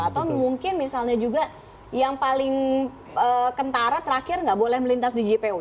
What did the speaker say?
atau mungkin misalnya juga yang paling kentara terakhir nggak boleh melintas di jpo